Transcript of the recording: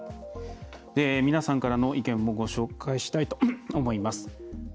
皆さんからの意見もご紹介したいと思います。